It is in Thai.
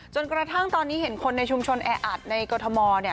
จนกระทั่งตอนนี้เห็นคนในชุมชนแออัดในกรทม